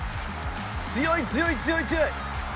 強い強い強い強い。